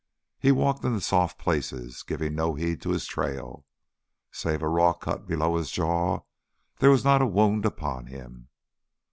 He walked in the soft places, giving no heed to his trail. Save a raw cut below his jaw there was not a wound upon him.